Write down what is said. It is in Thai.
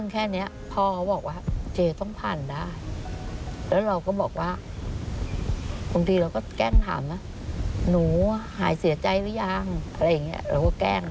เธอเรื่องความรักดาลเยี่ยม